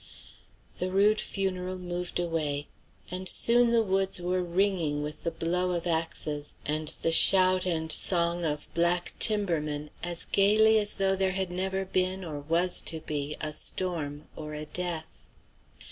The rude funeral moved away, and soon the woods were ringing with the blow of axes and the shout and song of black timber men as gayly as though there never had been or was to be a storm or a death.